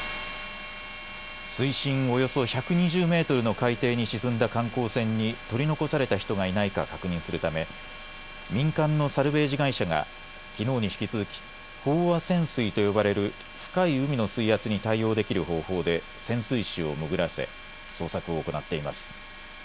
水深およそ１２０メートルの海底に沈んだ観光船に取り残された人がいないか確認するため民間のサルベージ会社がきのうに引き続き飽和潜水と呼ばれる深い海の水圧に対応できる方法で潜水士を潜らせ捜索を行っています。